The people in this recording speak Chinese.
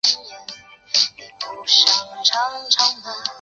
摩里斯的思想对创造论和原教旨主义基督教运动有巨大影响。